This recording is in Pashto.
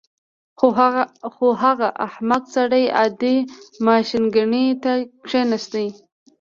خو هغه احمق سړی عادي ماشینګڼې ته کېناست